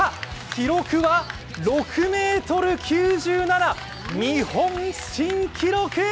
記録は６ｍ９７！日本新記録！